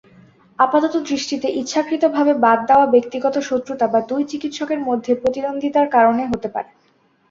আপাতদৃষ্টিতে ইচ্ছাকৃতভাবে বাদ দেওয়া ব্যক্তিগত শত্রুতা বা দুই চিকিৎসকের মধ্যে প্রতিদ্বন্দ্বিতার কারণে হতে পারে।